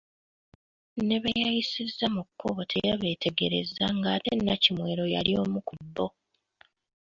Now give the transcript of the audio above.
Ne beyayisiza mu kkubo teyabeetegereza ng’ate Nnakimwero yali omu ku bo.